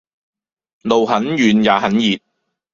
路很遠也很熱